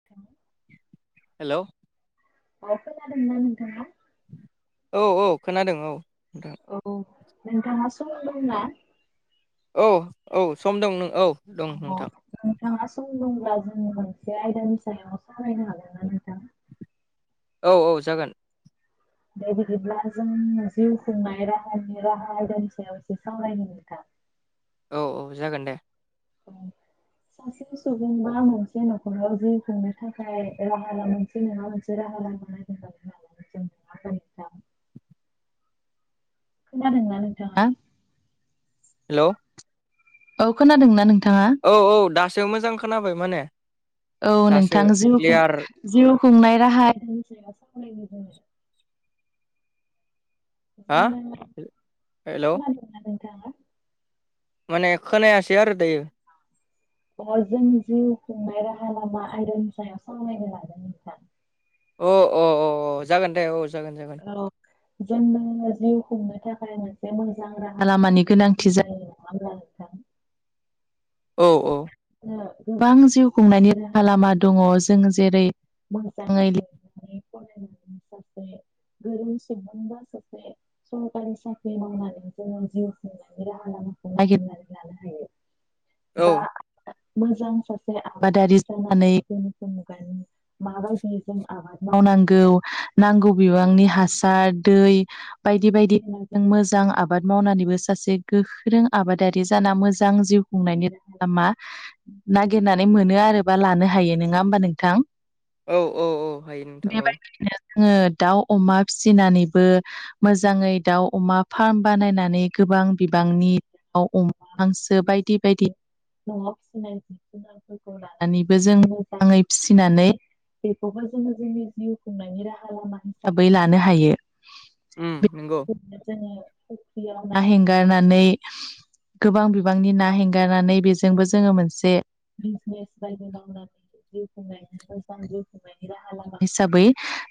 [inaudible] हेल' ब जानो होनानो थामा औ औ खोनादों औ नोंथां औ नोंथाङा समाव दंना औ औ सम दं नों औ दं अ नोंथां नोंथाङा सम दब्ला जों मोनसे आयदानि सायाव सावरायनो हागोन ना नोंथाङा औ औ जागोन बे बिदिब्ला जों जिउ खुंनाय राहानि राहा आयदानि सायाव एसो सावरायनो नोंथां औ औ जागोन दे सासे सुबुंबा मोनसे न'खराव जिउ खुंनो थाखाय राहा लामा जेनेबा मोनसे राहा लामा खोनादोंना नोंथाङा हेल' औ खोनादोंना नोंथाङा औ औ दासो मोजां खोनाबाय माने औ दासो नोंथां जिउ क्लियार जिउ खुंनाय राहा हा जोंनो हेलौ खोनादोंना नोंथाङा माने खोनायासै आरो दायो अ जों जिउ खुंनाय राहा लामा आयरननि सायाव सावरायनो लादों नोंथां अ अ अ जागोन दे औ जागोन जागोन औ जोंनो जिउ खुंनो थाखाय मोनसे मोजां राहा लामानि गोनांथि जायो [unintelligible] औ औ गोबां जिउ खुंनायनि राहा लामा दङ जों जेरै मोजाङै [unintelligible] सरखारि साख्रि मावनानै जोङो जिउ खांनायनि राहा लामाखौ नागिरनानै लानो हायो औ बा मोजां सासे आबादारि जानानै गोनोखोयारि मुगानि माबायदि जों आबाद मावनांगौ नांगौ बिबांनि हासार दै बायदि बायदि गुनजों मोजां आबाद मावनानैबो सासे गोख्रों आबादारि जाना मोजां जिउ बुंनायनि राहा लामा नागिरनानै मोनो आरो बा लानो हायो नङा होमबा नोंथां औ औ औ हायो नोंथां औ बेबायदिनो जोङो दाउ अमा फिसिनानैबो मोजाङै दाउ अमा फार्म बानायनानै गोबां बिबांनि औ अमा हांसो बायदि बायदि न'आव फिसिनाय लोगो लानानैबो जों मोजाङै फिसिनानै बेखौबो जोङो जोंनि जिउ खुंनायनि राहा लामा बै लानो हायो उम बे नंगौ जोङो बियाव ना हेंगारनानै गोबां बिबांनि ना हेंगारनानै बेजोंबो जोङो मोनसे बिजनेस बायदि लामा हिसाबै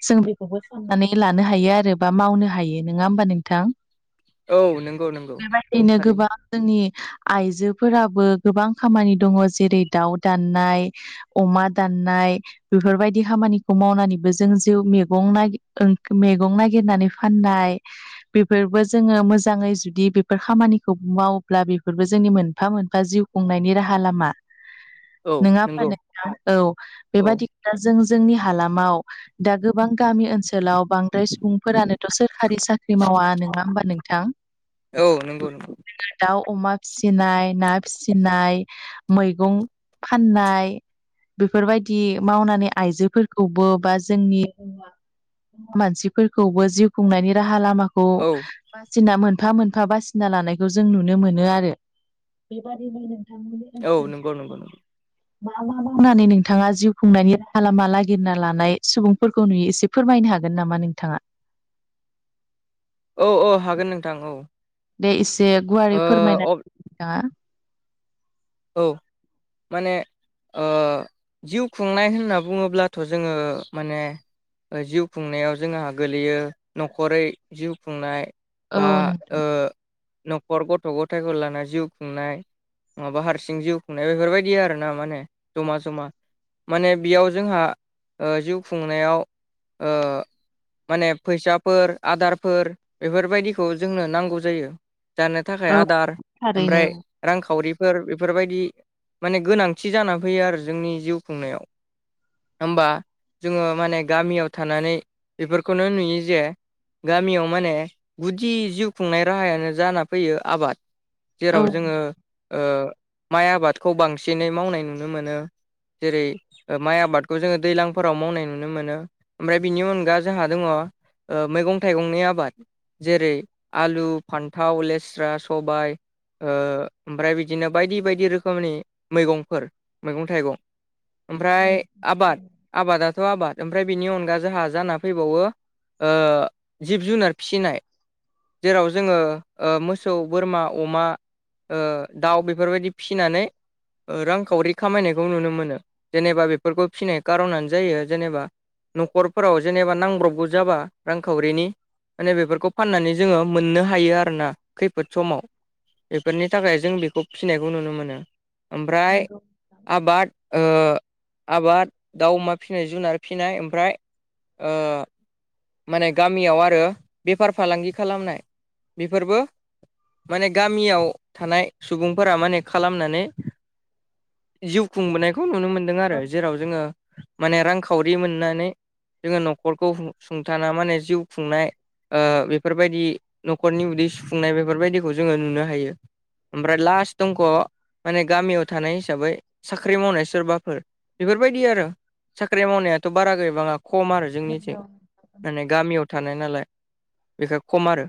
जों बेखौबो फनानै लानो हायो आरो बा मावनो हायो नङा होमबा नोंथां औ नंगौ नंगौ बेबायदिनो थारैनो गोबां जोंनि आइजोफोराबो गोबां खामानि दङ जेरै दाउ दाननाय अमा दाननाय बेफोरबायदि खामानिखौ मावनानैबो जों जिउ मैगं न मैगं नागिरनानै फाननाय बेफोरबो जोङो मोजाङै जुदि बेफोर खामानिखौ मावोब्ला बेफोरबो जोंनि मोनफा मोनफा जिउ बुंनायनि राहा लामा औ नोङा होनबा नंगौ नोंथां औ औ बेबादि दा जों जोंनि हालामाव दा गोबां गामि ओनसोलाव ओनसोलाव बांद्राय सुबुंफोरानोथ' सोरखारि साख्रि मावा नङा होमबा नोंथां औ नंगौ नोंथां जोङो दाउ अमा फिसिनाय ना फिसिनाय मैगं फाननाय बेफोरबायदि मावनानै आइजोफोरखौबो बा जोंनि मानसिफोरखौबो जिउ खुंनायनि राहा लामाखौ औ बासिना मोनफा मोनफा बासिना लानायखौ जों नुनो मोनो आरो बेबायदिनो औ नंगौ नंगौ नंगौ। मा मा मावनानै नोंथाङा जिउ खुंनायनि राहा लामा नागिरना लानाय सुबुंफोरखौ नुयो एसे फोरमायनो हागोन हागोन नामा नोंथाङा? औ औ हागोन नोंथां औ दे एसे गुवारै फोरमायना ओ नोंथाङा औ माने ओ जिउ खुंनाय होनना बुङोब्लाथ जोङो माने जिउ खुंनायाव जोंहा गोलैयो न'खरै जिउ खुंनाय औ बा नों ओ न'खर गथ' गथायखौ लाना जिउ खुंनाय माबा हारसिं हारसिं जिउ खुंनाय बेफोरबायदि आरोना माने जमा जमा माने बेयाव जोंहा ओ जिउ खुंनायाव ओ माने फैसाफोर आदारफोर बेफोरबायदिखौ जोंनो नांगौ जायो जानो थाखाय औ आदार थारैनो ओमफ्राय औ रांखावरिफोर बेफोरबायदि माने गोनांथि जानानै फैयो आरो जोंनि जिउ खुंनायाव होमबा जोङो माने गामियाव थानानै बेफोरखौनो नुयो जे गामियाव माने गुदि जिउ खुंनाय राहायानो जाना फैयो आबाद औ जेराव जोङो ओ माइ आबादखौ बांसिनै मावनाय नुनो मोनो जेरै माइ आबादखौ जोङो दैज्लांफोराव मावनाय नुनो मोनो ओमफ्राय बिनि अनगा जोंहा दङ ओ मैगं थाइगंनि आबाद जेरै आलु फान्थाव लेस्रा सबायाइ ओ ओमफ्राय बिदिनो बायदि बायदि रोखोमनि मैगंफोर मैगं थाइगं ओमफ्राय आबाद आबादाथ आबाद ओमफ्राय बिनि अनगा जोंहा जाना फैबावो ओ जिब जुनार फिसिनाय जेराव जोङो मोसौ बोरमा अमा ओ दाउ बेफोरबायदि फिसिनानै रांखावरि खामायनायखौ नुनो मोनो जेनेबा बेफोरखौ फिसिनाय खारनानो जायो जेनेबा न'खरफोराव जेनेबा नांब्रबबो जाबा रांखावरिनि माने बेफोरखौ फाननानै जोङो मोननो हायो आरो ना खैफोद समाव बेफोरनि थाखाय जों बेखौ फिसिनायखौ नुनो मोनो ओमफ्राय आबाद ओ आबाद दाउ अमा फिसिनाय जुनार फिसिनाय ओमफ्राय ओ माने गामियाव आरो बेफार फालांगि खालामनाय बेफोरबो माने गामियाव थानाय सुबुंफोरा माने खालामनानै जिउ खुंबोनायखौ नुनो मोनदों आरो जेराव जोङो माने रांखावरि मोननानै जोङो न'खरखौ सुंथाना माने जिउ खुंनाय ओ बेफोरबायदि न'खरनि उदै सुफुंनाय बेफोरबायदिखौ जोङो नुनो हायो ओमफ्राय लास्ट दंख माने गामियाव थानाय हिसाबै साख्रि मावनाय सोरबाफोर बेफोरबायदि आरो साख्रि मावनायाथ बारा गैबाङा खम आरो जोंनिथिं माने गामियाव थानाय नालाय बेखाय खम आरो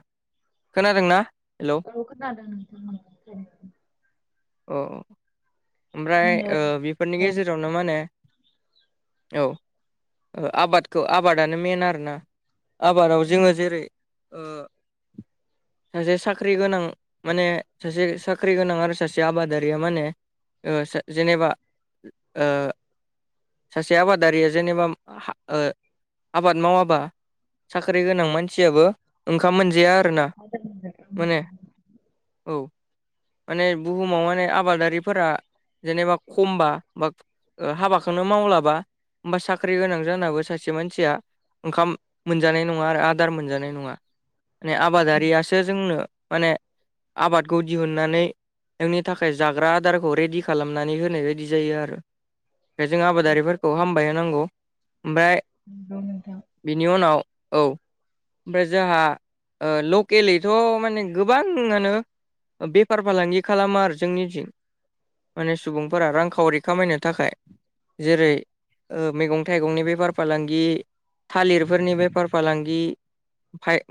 खोनादोंना हेलौ अ खोनादों नोंथां [unintelligible] औ ओमफ्राय ओ बेफोरनि गेजेरावनो माने औ आबादखौ आबादानो मेन आरोना आबादाव जोङो जेरै ओ [inaudible] सासे साख्रि गोनां माने सासे साख्रि गोनां आरो सासे आबादारिया माने ओ सा जेनेबा ओ सासे आबादारिया जेनेबा हा ओ आबाद मावाबा साख्रि गोनां मानसियाबो ओंखाम मोनजाया आरो ना [inaudible] माने औ माने बुहुमाव माने आबादारि फोरा जेनेबा खमबा बा हाबाखौनो मावलाबा होमबा साख्रि गोनां जानाबो सासे मानसिया ओंखाम मोनजानाय नङा आरो आदार मोनजानाय नङा माने आबादारियासो जोंनो माने आबादखौ दिहुननानै [unintelligible] जोंनि थाखाय जाग्रा अदारखौ रेडि खालामनानै होनाय बायदि जायो आरो बेायाव जों आबादारिफोरखौ हामबाय होनांगौ ओमफ्राय बिनि उनाव औ ओमफ्राय जाहा ओ लकेलैथ' माने गोबांआनो बेफार फालांगि खालामो आरो जोंनिथिं माने सुबुंफोरा रां खावरि खामायनो थाखाय जेरै ओ मैगं थाइगंनि बेफार फालांगि थालिरफोरनि बेफार फालांगि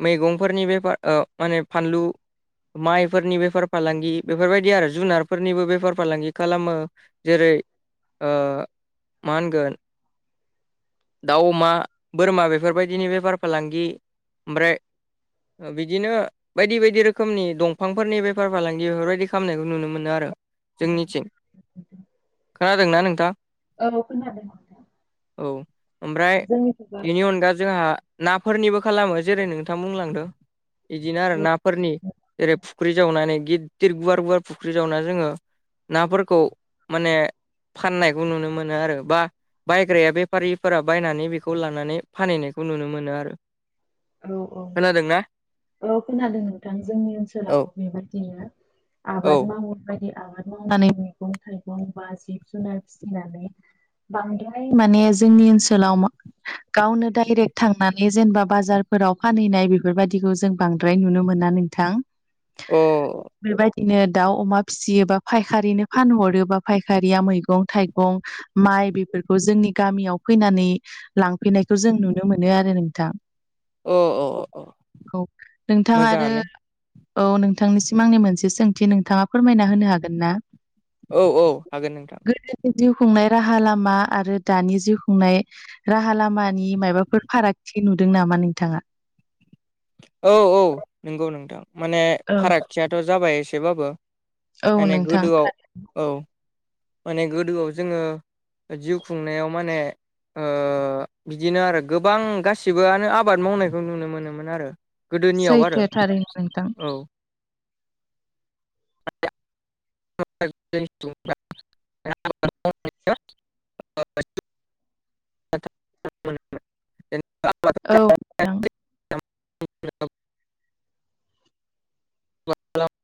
मैगंफोरनि बे माने फानलु माइफोरनि बेफार फालांगि बेफोरबायदि आरो जुनारफोरनिबो बे बेफार फालांगि खालामो जेरै ओ मा होनगोन दाउ अमा बोरमा बेफोरबायदिनि बेफार फालांगि ओमफ्राय बिदिनो बायदि बायदि रोखोमनि दंफांफोरनि बेफार फालांगि बेफोरबायदि खालामनायखौ नुनो मोनो आरो जोंनिथिं खोनादोंना नोंथां औ ओमफ्राय बेनि अनगा जोंहा नाफोरनिबो खालामो जेरै नोंथां बुंलांदों बिदिनो आरो नाफोरनि जेरै फुख्रि जावनानै गिदिर गुवार गुवार फुख्रि जावना जोङो नाफोरखौ माने फाननायखौ नुनो मोनो आरो बा बायग्राया बेफारिफोरा बायनानै बेखौ लानानै फानहैनायखौ नुनो मोनो आरो औ औ खोनादोंना औ खोनादों नोंथां जोंनि औ ओनसोलाव बेबायदिनो औ आबाद मावनाय बायदि आबाद मावनानै मैगं थाइगं बा जिब जुनार फिसिनानै [inaudible] बांद्राय माने जोंनि ओनसोलाव गावनो डाइरेक्ट थांनानै जेनेबा बाजार फोराव फानहैनाय बेफोरबायदिखौ जों बांद्राय नुनो मोना नोंथां अ बेबायदिनो दाउ अमा फिसियोबा फायखारिनो फानहरोबा फायखारिया मैगं थाइगं माइ बेफोरखौ जोंनि गामियाव फैनानै लांफैनायखौ जों नुनो मोनो आरो नोंथां अ अ अ अ औ नोंथां आरो मोजाङानो औ नोंथांनिसिम आंनि मोनसे सोंथि नोंथाङा फोरमायना होनो हागोन ना औ औ हागोन नोंथां गोदोनि जिउ खुंनाय राहा लामा आरो दानि जिउ खुंनाय राहा लामानि माबाफोर फारागथि नोदों नामा नोंथाङा? औ औ नंगौ नोंथां माने फारागथियाथ' जाबाय एसेबाबो औ माने नोंथां गोदोआव औ माने गोदोआव जोङो जिउ खुंनायाव माने बिदिनो आरो गोबां गासैबोआनो आबाद मावनायखौ नुनो मोनोमोन आरो। गोदोनियाव आरो सैथो थारैनो नोंथां। औ [unintelligible] [unintelligible] [unintelligible] औ नोंथां [unintelligible] [unintelligible]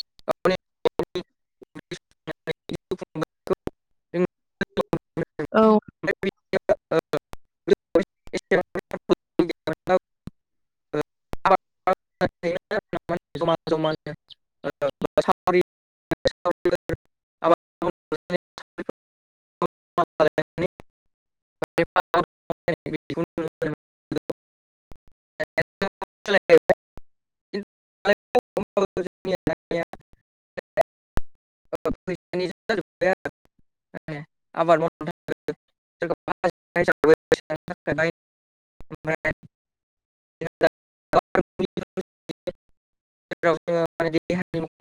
[inaudible] [unintelligible] [unintelligible] औ [inaudible] [inaudible] [unintelligible] [inaudible] [unintelligible] [unintelligible] [unintelligible] आबाद माव [unintelligible] [unintelligible] [inaudible] [unintelligible]